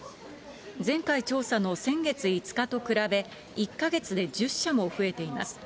前回調査の先月５日と比べ、１か月で１０社も増えています。